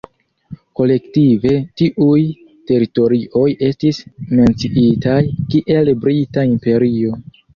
Kolektive, tiuj teritorioj estis menciitaj kiel Brita imperio.